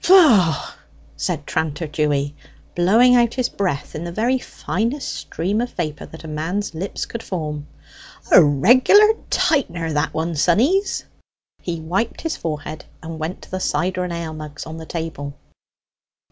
"Piph h h h!" said tranter Dewy, blowing out his breath in the very finest stream of vapour that a man's lips could form. "A regular tightener, that one, sonnies!" He wiped his forehead, and went to the cider and ale mugs on the table.